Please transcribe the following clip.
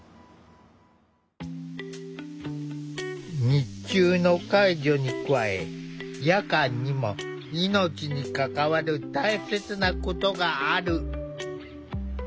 日中の介助に加え夜間にも命に関わる大切なことがある。